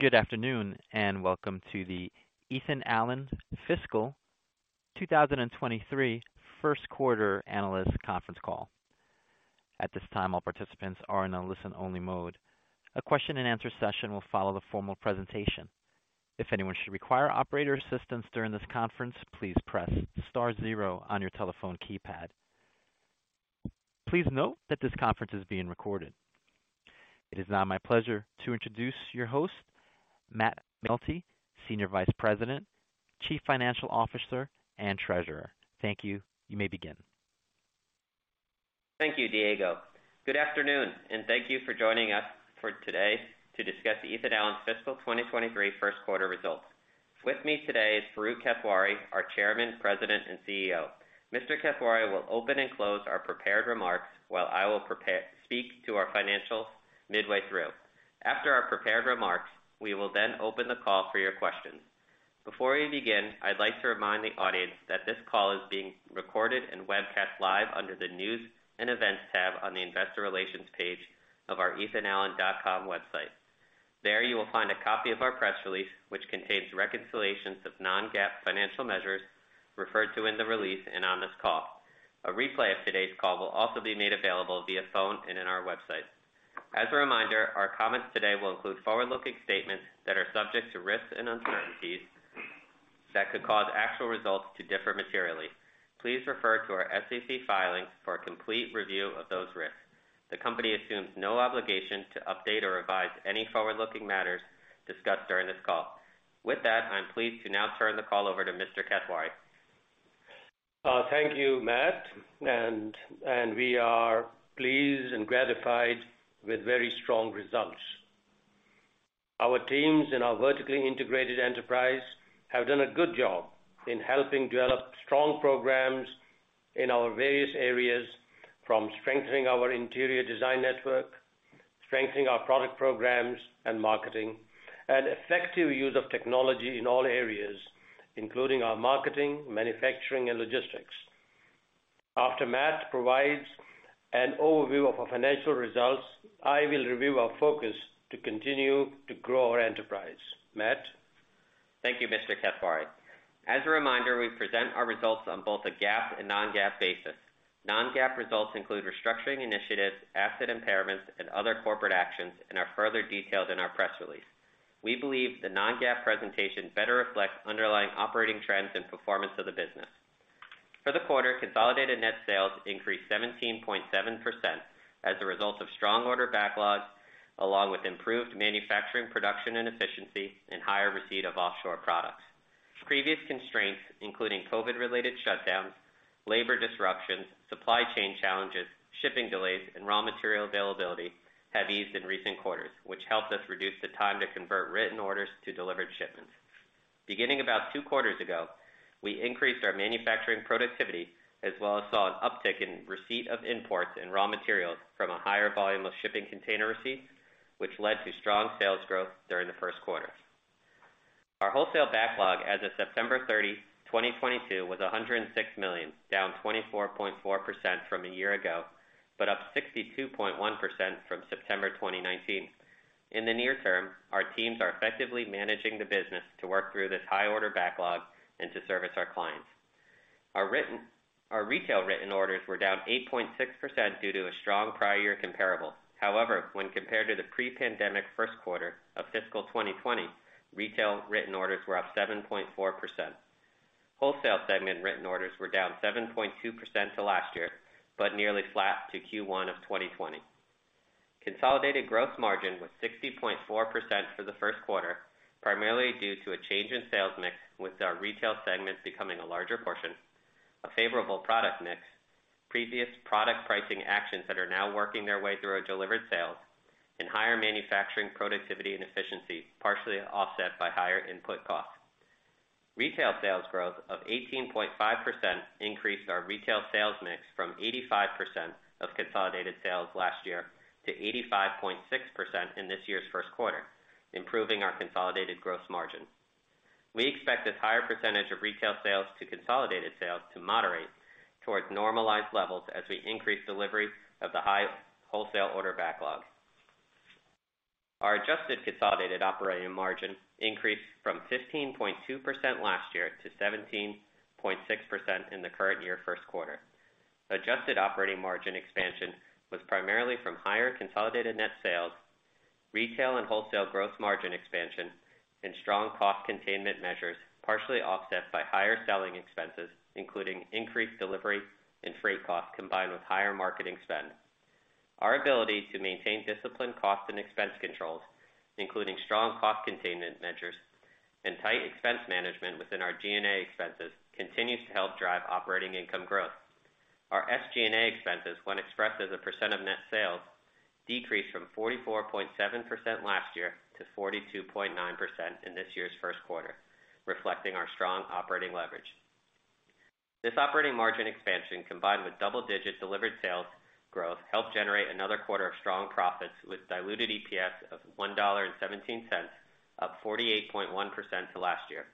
Good afternoon, and welcome to the Ethan Allen Fiscal 2023 Q1 Analyst Conference Call. At this time, all participants are in a listen-only mode. A question and answer session will follow the formal presentation. If anyone should require operator assistance during this conference, please press star zero on your telephone keypad. Please note that this conference is being recorded. It is now my pleasure to introduce your host, Matt McNulty, Senior Vice President, Chief Financial Officer, and Treasurer. Thank you. You may begin. Thank you, Diego. Good afternoon, and thank you for joining us for today to discuss the Ethan Allen's fiscal 2023 Q1 results. With me today is Farooq Kathwari, our Chairman, President, and CEO. Mr. Kathwari will open and close our prepared remarks while I will speak to our financials midway through. After our prepared remarks, we will then open the call for your questions. Before we begin, I'd like to remind the audience that this call is being recorded and webcast live under the News and Events tab on the Investor Relations page of our ethanallen.com website. There, you will find a copy of our press release, which contains reconciliations of non-GAAP financial measures referred to in the release and on this call. A replay of today's call will also be made available via phone and on our website. As a reminder, our comments today will include forward-looking statements that are subject to risks and uncertainties that could cause actual results to differ materially. Please refer to our SEC filings for a complete review of those risks. The company assumes no obligation to update or revise any forward-looking matters discussed during this call. With that, I'm pleased to now turn the call over to Mr. Kathwari. We are pleased and gratified with very strong results. Our teams in our vertically integrated enterprise have done a good job in helping develop strong programs in our various areas, from strengthening our interior design network, strengthening our product programs and marketing, and effective use of technology in all areas, including our marketing, manufacturing, and logistics. After Matt provides an overview of our financial results, I will review our focus to continue to grow our enterprise. Matt? Thank you, Mr. Kathwari. As a reminder, we present our results on both a GAAP and non-GAAP basis. Non-GAAP results include restructuring initiatives, asset impairments, and other corporate actions and are further detailed in our press release. We believe the non-GAAP presentation better reflects underlying operating trends and performance of the business. For the quarter, consolidated net sales increased 17.7% as a result of strong order backlogs, along with improved manufacturing production and efficiency and higher receipt of offshore products. Previous constraints, including COVID-related shutdowns, labor disruptions, supply chain challenges, shipping delays, and raw material availability have eased in recent quarters, which helped us reduce the time to convert written orders to delivered shipments. Beginning about two quarters ago, we increased our manufacturing productivity as well as saw an uptick in receipt of imports and raw materials from a higher volume of shipping container receipts, which led to strong sales growth during the Q1. Our wholesale backlog as of 30 September, 2022 was $106 million, down 24.4% from a year ago, but up 62.1% from September 2019. In the near term, our teams are effectively managing the business to work through this high order backlog and to service our clients. Our retail written orders were down 8.6% due to a strong prior year comparable. However, when compared to the pre-pandemic Q1 of fiscal 2020, retail written orders were up 7.4%. Wholesale segment written orders were down 7.2% to last year, but nearly flat to Q1 of 2020. Consolidated gross margin was 60.4% for the Q1, primarily due to a change in sales mix with our retail segments becoming a larger portion, a favorable product mix, previous product pricing actions that are now working their way through our delivered sales, and higher manufacturing productivity and efficiency, partially offset by higher input costs. Retail sales growth of 18.5% increased our retail sales mix from 85% of consolidated sales last year to 85.6% in this year's Q1, improving our consolidated gross margin. We expect this higher percentage of retail sales to consolidated sales to moderate towards normalized levels as we increase delivery of the high wholesale order backlog. Our adjusted consolidated operating margin increased from 15.2% last year to 17.6% in the current year Q1. Adjusted operating margin expansion was primarily from higher consolidated net sales, retail and wholesale gross margin expansion, and strong cost containment measures, partially offset by higher selling expenses, including increased delivery and freight costs combined with higher marketing spend. Our ability to maintain disciplined cost and expense controls, including strong cost containment measures and tight expense management within our G&A expenses, continues to help drive operating income growth. Our SG&A expenses, when expressed as a percent of net sales, decreased from 44.7% last year to 42.9% in this year's Q1, reflecting our strong operating leverage. This operating margin expansion, combined with double-digit delivered sales growth, helped generate another quarter of strong profits with diluted EPS of $1.17, up 48.1% to last year.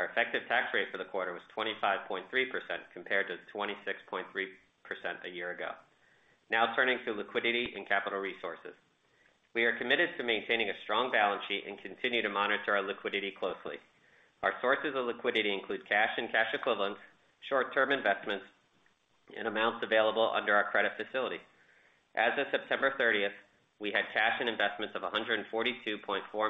Our effective tax rate for the quarter was 25.3%, compared to 26.3% a year ago. Now turning to liquidity and capital resources. We are committed to maintaining a strong balance sheet and continue to monitor our liquidity closely. Our sources of liquidity include cash and cash equivalents, short-term investments, and amounts available under our credit facility. As of 30th September, we had cash and investments of $142.4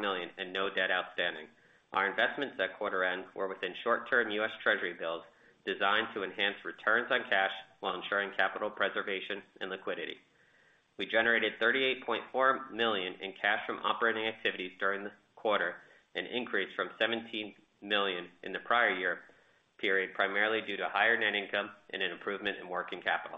million and no debt outstanding. Our investments at quarter end were within short-term US Treasury bills designed to enhance returns on cash while ensuring capital preservation and liquidity. We generated $38.4 million in cash from operating activities during the quarter, an increase from $17 million in the prior year period, primarily due to higher net income and an improvement in working capital.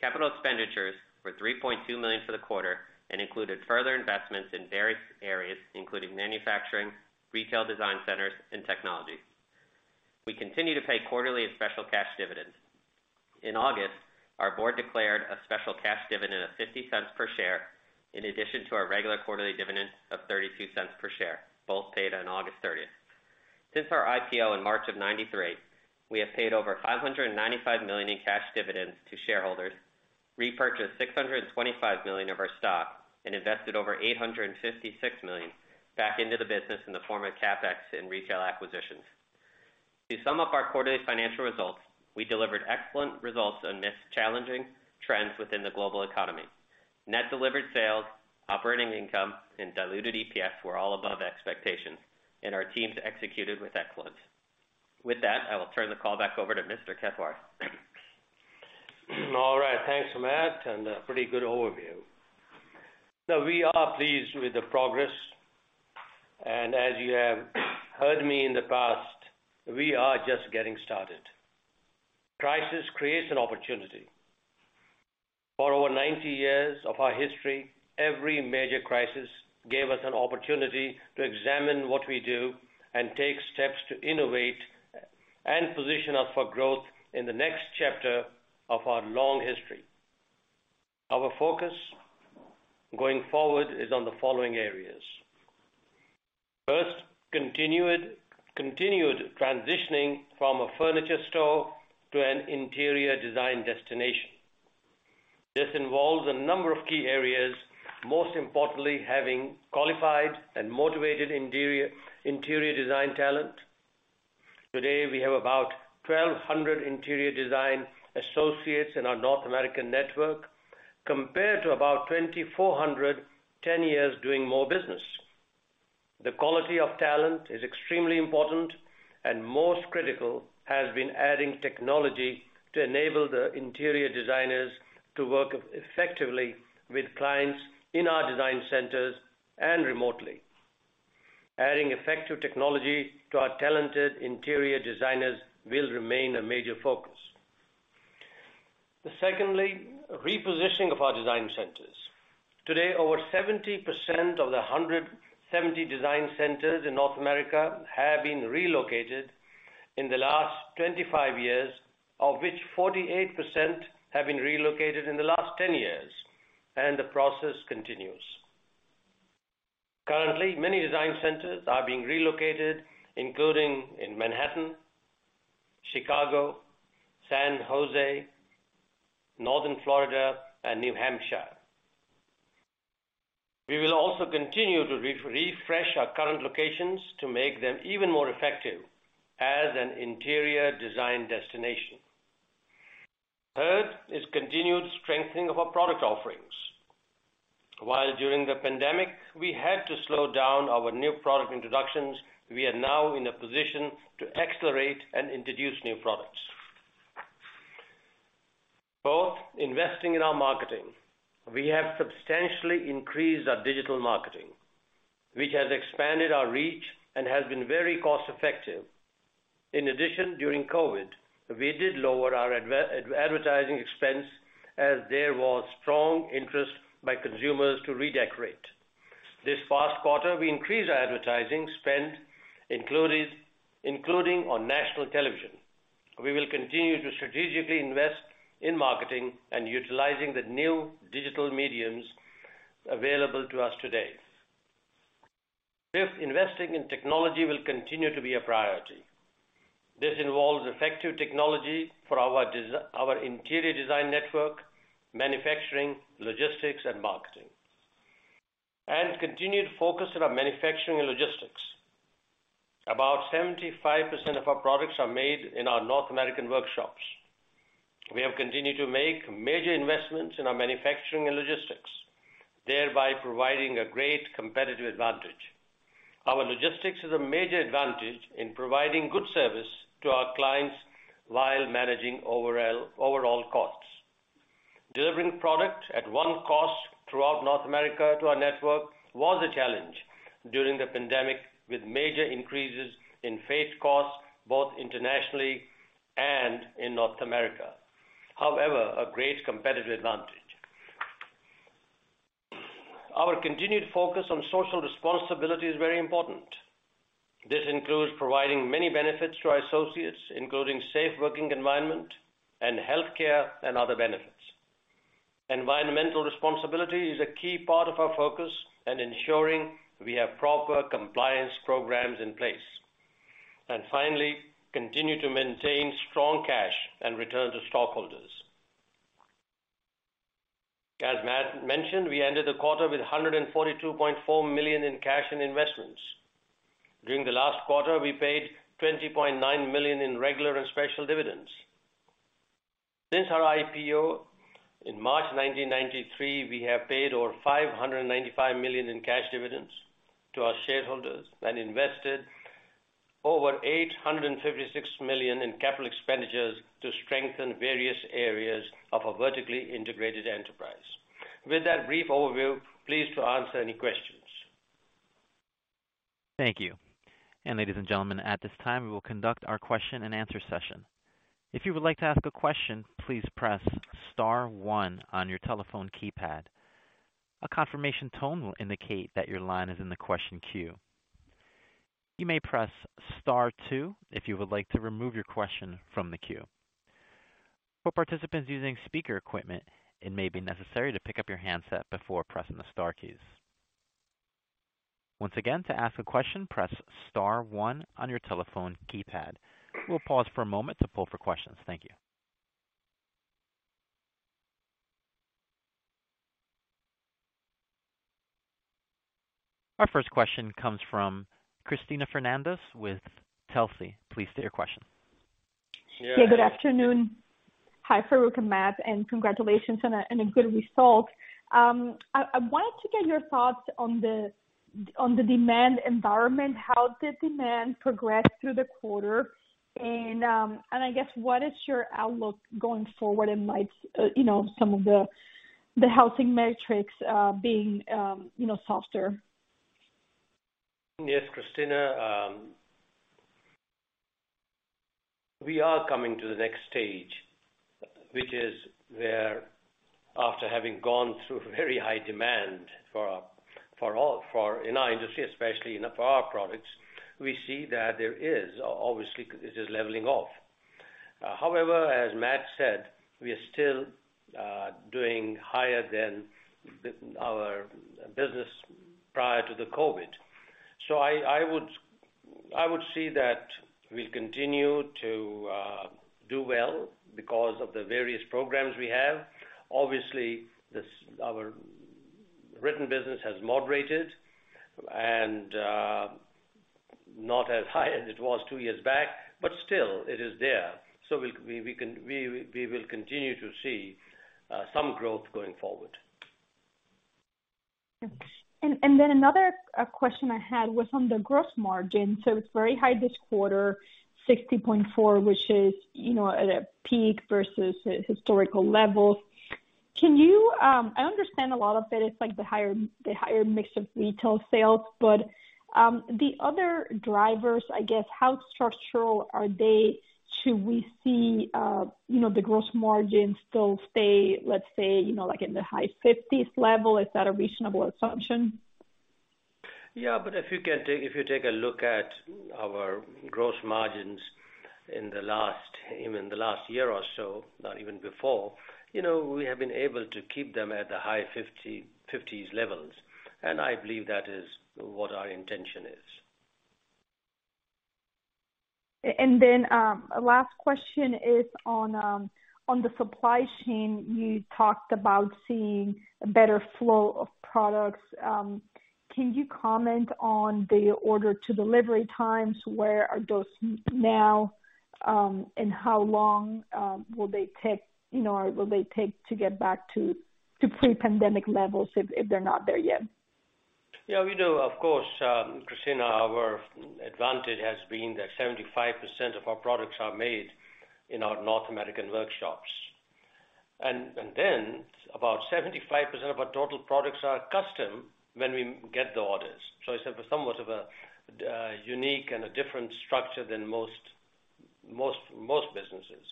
Capital expenditures were $3.2 million for the quarter and included further investments in various areas, including manufacturing, retail design centers, and technology. We continue to pay quarterly and special cash dividends. In August, our board declared a special cash dividend of $0.50 per share in addition to our regular quarterly dividend of $0.32 per share, both paid on August 30. Since our IPO in March 1993, we have paid over $595 million in cash dividends to shareholders, repurchased $625 million of our stock, and invested over $856 million back into the business in the form of CapEx and retail acquisitions. To sum up our quarterly financial results, we delivered excellent results amidst challenging trends within the global economy. Net delivered sales, operating income, and diluted EPS were all above expectations and our teams executed with excellence. With that, I will turn the call back over to Mr. Kathwari. All right. Thanks, Matt, and pretty good overview. We are pleased with the progress, and as you have heard me in the past, we are just getting started. Crisis creates an opportunity. For over 90 years of our history, every major crisis gave us an opportunity to examine what we do and take steps to innovate and position us for growth in the next chapter of our long history. Our focus going forward is on the following areas. First, continued transitioning from a furniture store to an interior design destination. This involves a number of key areas, most importantly, having qualified and motivated interior design talent. Today, we have about 1,200 interior design associates in our North American network, compared to about 2,400, 10 Years doing more business. The quality of talent is extremely important and most critical has been adding technology to enable the interior designers to work effectively with clients in our design centers and remotely. Adding effective technology to our talented interior designers will remain a major focus. Secondly, repositioning of our design centers. Today, over 70% of the 170 design centers in North America have been relocated in the last 25 years, of which 48% have been relocated in the last 10 years, and the process continues. Currently, many design centers are being relocated, including in Manhattan, Chicago, San José, northern Florida, and New Hampshire. We will also continue to refresh our current locations to make them even more effective as an interior design destination. Third is continued strengthening of our product offerings. While during the pandemic, we had to slow down our new product introductions, we are now in a position to accelerate and introduce new products. Fourth, investing in our marketing. We have substantially increased our digital marketing, which has expanded our reach and has been very cost-effective. In addition, during COVID, we did lower our advertising expense as there was strong interest by consumers to redecorate. This past quarter, we increased our advertising spend, including on national television. We will continue to strategically invest in marketing and utilizing the new digital mediums available to us today. Fifth, investing in technology will continue to be a priority. This involves effective technology for our interior design network, manufacturing, logistics, and marketing. Continued focus on our manufacturing and logistics. About 75% of our products are made in our North American workshops. We have continued to make major investments in our manufacturing and logistics, thereby providing a great competitive advantage. Our logistics is a major advantage in providing good service to our clients while managing overall costs. Delivering product at one cost throughout North America to our network was a challenge during the pandemic, with major increases in freight costs, both internationally and in North America. However, a great competitive advantage. Our continued focus on social responsibility is very important. This includes providing many benefits to our associates, including safe working environment and healthcare and other benefits. Environmental responsibility is a key part of our focus and ensuring we have proper compliance programs in place. Finally, continue to maintain strong cash and return to stockholders. As Matt mentioned, we ended the quarter with $142.4 million in cash and investments. During the last quarter, we paid $20.9 million in regular and special dividends. Since our IPO in March 1993, we have paid over $595 million in cash dividends to our shareholders and invested over $856 million in capital expenditures to strengthen various areas of a vertically integrated enterprise. With that brief overview, pleased to answer any questions. Thank you. Ladies and gentlemen, at this time we will conduct our question-and-answer session. If you would like to ask a question, please press star one on your telephone keypad. A confirmation tone will indicate that your line is in the question queue. You may press star two if you would like to remove your question from the queue. For participants using speaker equipment, it may be necessary to pick up your handset before pressing the star keys. Once again, to ask a question, press star one on your telephone keypad. We'll pause for a moment to pull for questions. Thank you. Our first question comes from Cristina Fernández with Telsey. Please state your question. Yeah, good afternoon. Hi, Farooq and Matt, and congratulations on a good result. I wanted to get your thoughts on the demand environment. How did demand progress through the quarter? I guess what is your outlook going forward amidst you know some of the housing metrics being you know softer? Yes, Cristina, we are coming to the next stage, which is where after having gone through very high demand for all in our industry, especially for our products, we see that there is obviously it is leveling off. However, as Matt said, we are still doing higher than our business prior to the COVID. I would see that we continue to do well because of the various programs we have. Obviously, this, our written business has moderated and not as high as it was two years back, but still it is there. We will continue to see some growth going forward. Another question I had was on the gross margin. It's very high this quarter, 60.4%, which is, you know, at a peak versus historical levels. Can you? I understand a lot of it is like the higher mix of retail sales. The other drivers, I guess, how structural are they? Do we see you know the gross margin still stay, let's say, you know, like in the high fifties level. Is that a reasonable assumption? Yeah, if you take a look at our gross margins even in the last year or so, not even before, you know, we have been able to keep them at the high 50s levels. I believe that is what our intention is. Last question is on the supply chain. You talked about seeing a better flow of products. Can you comment on the order to delivery times? Where are those now, and how long will they take, you know, to get back to pre-pandemic levels if they're not there yet? Yeah, we do, of course, Cristina, our advantage has been that 75% of our products are made in our North American workshops. Then about 75% of our total products are custom when we get the orders. It's a somewhat of a unique and a different structure than most businesses.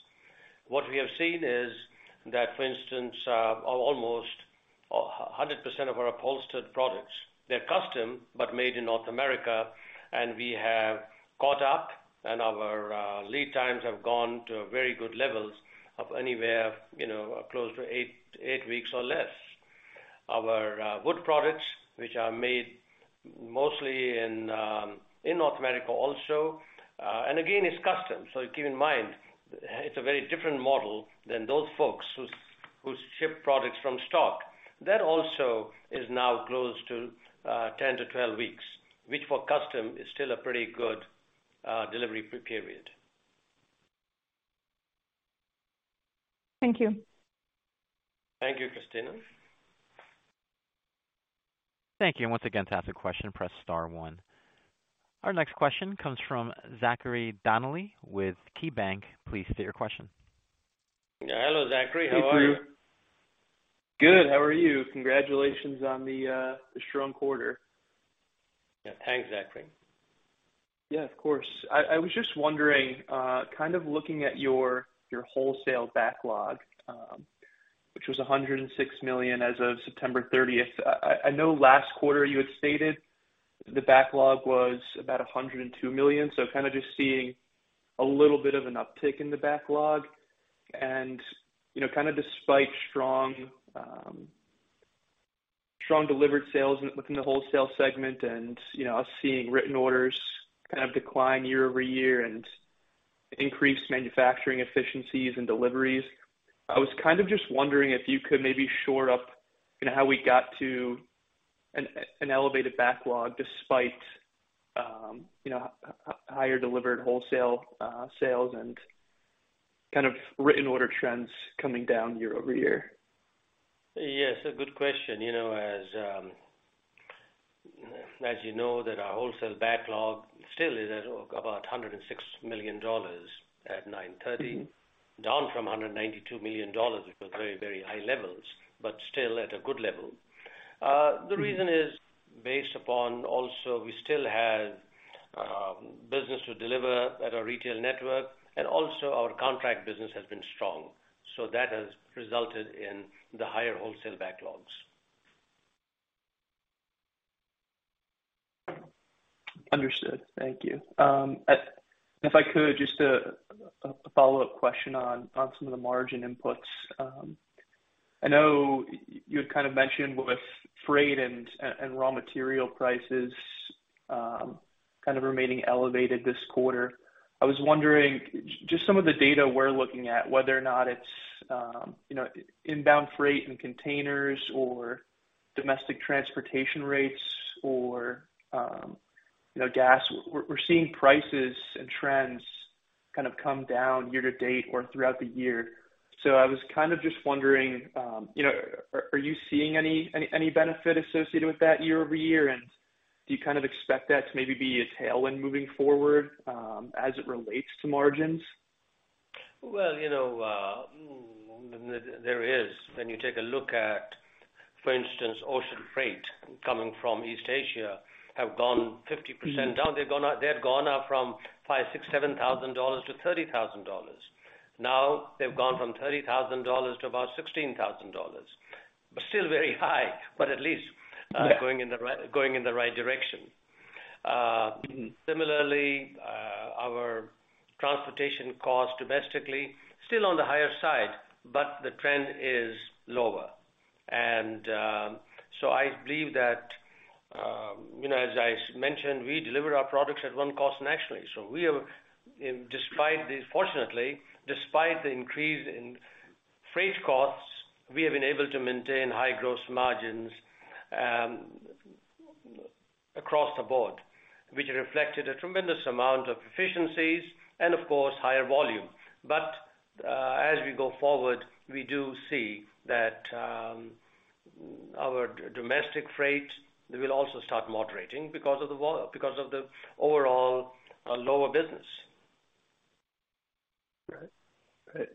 What we have seen is that, for instance, almost 100% of our upholstered products, they're custom, but made in North America, and we have caught up and our lead times have gone to very good levels of anywhere, you know, close to eight weeks or less. Our wood products, which are made mostly in North America also, and again, it's custom. Keep in mind, it's a very different model than those folks whose ship products from stock. That also is now close to 10 to 12 weeks, which for custom is still a pretty good delivery period. Thank you. Thank you, Cristina Fernández. Thank you. Once again, to ask a question, press star one. Our next question comes from Zachary Donnelly with KeyBanc. Please state your question. Hello, Zachary. How are you? Good. How are you? Congratulations on the strong quarter. Yeah. Thanks, Zachary. Yeah, of course. I was just wondering, kind of looking at your wholesale backlog, which was $106 million as of 30th September. I know last quarter you had stated the backlog was about $102 million. Kind of just seeing a little bit of an uptick in the backlog and, you know, kind of despite strong delivered sales within the wholesale segment and, you know, us seeing written orders kind of decline year-over-year and increased manufacturing efficiencies and deliveries. I was kind of just wondering if you could maybe shore up, you know, how we got to an elevated backlog despite, you know, higher delivered wholesale sales and kind of written order trends coming down year-over-year. Yes, a good question. You know, as you know that our wholesale backlog still is at or about $106 million at 930, down from $192 million, which was very, very high levels, but still at a good level. The reason is based upon also we still have business to deliver at our retail network, and also our contract business has been strong. That has resulted in the higher wholesale backlogs. Understood. Thank you. If I could, just a follow-up question on some of the margin inputs. I know you had kind of mentioned with freight and raw material prices kind of remaining elevated this quarter. I was wondering just some of the data we're looking at, whether or not it's you know, inbound freight and containers or domestic transportation rates or you know, gas. We're seeing prices and trends kind of come down year to date or throughout the year. I was kind of just wondering you know, are you seeing any benefit associated with that year-over-year? Do you kind of expect that to maybe be a tailwind moving forward as it relates to margins? Well, you know, there is. When you take a look at, for instance, ocean freight coming from East Asia have gone 50% down. They've gone up from $7,000 to $30,000. Now they've gone from $30,000 to about $16,000. But still very high, but at least, going in the right direction. Similarly, our transportation costs domestically, still on the higher side, but the trend is lower. I believe that, you know, as I mentioned, we deliver our products at one cost nationally. We are, fortunately, despite the increase in freight costs, we have been able to maintain high gross margins, across the board, which reflected a tremendous amount of efficiencies and of course, higher volume. As we go forward, we do see that our domestic freight will also start moderating because of the overall lower business. Right. Great.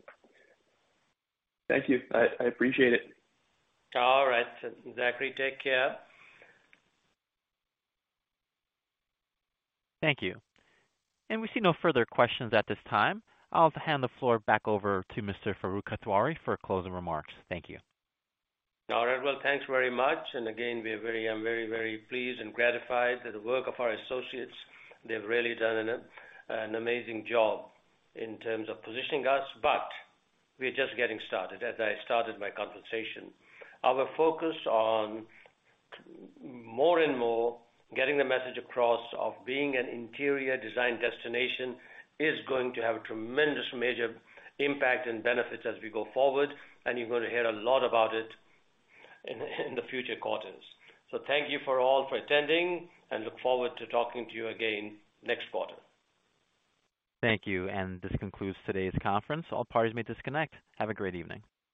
Thank you. I appreciate it. All right. Zachary, take care. Thank you. We see no further questions at this time. I'll hand the floor back over to Mr. Farooq Kathwari for closing remarks. Thank you. All right. Well, thanks very much. We are very pleased and gratified with the work of our associates. They've really done an amazing job in terms of positioning us, but we are just getting started, as I started my conversation. Our focus on more and more getting the message across of being an interior design destination is going to have a tremendous major impact and benefits as we go forward, and you're going to hear a lot about it in the future quarters. Thank you all for attending, and look forward to talking to you again next quarter. Thank you. This concludes today's conference. All parties may disconnect. Have a great evening.